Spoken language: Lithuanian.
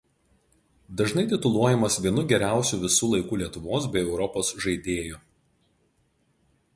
Dažnai tituluojamas vienu geriausiu visų laikų Lietuvos bei Europos žaidėju.